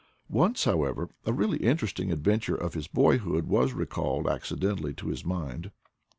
Once, however, a really interesting adventure of his boyhood was recalled accidentally to his mind.